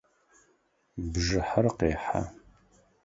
Бжыхьэр къехьэ.